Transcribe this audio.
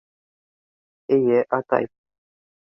— Эйе, атай.